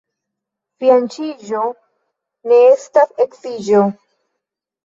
Fianĉiĝo ne estas edziĝo.